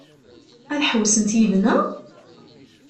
Ad ḥewwsent yid-neɣ?